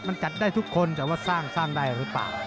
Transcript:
มันจัดได้ทุกคนแต่ว่าสร้างสร้างได้หรือเปล่า